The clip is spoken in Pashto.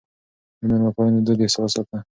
د مېلمه پالنې دود يې وساته.